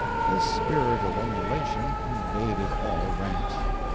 This spirit of emulation invaded all ranks.